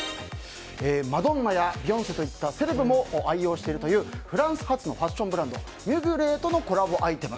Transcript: マドンナやビヨンセといったセレブも愛用しているというフランス発のファッションブランドミュグレーとのコラボアイテム。